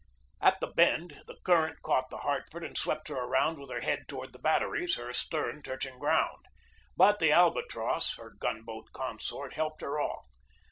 At the bend, the current caught the Hartford and swept her around with her head toward the bat teries, her . stem touching ground. But the Alba tross y her gun boat consort, helped her off.